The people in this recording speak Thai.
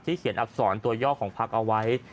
เขียนอักษรตัวย่อของพักเอาไว้